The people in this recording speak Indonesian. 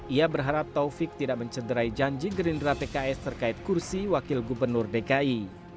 ia berharap taufik tidak mencederai janji gerindra pks terkait kursi wakil gubernur dki